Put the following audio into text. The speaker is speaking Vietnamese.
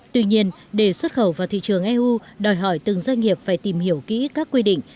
tuy nhiên để xuất khẩu vào thị trường eu đòi hỏi từng doanh nghiệp phải tìm hiểu kỹ các quy định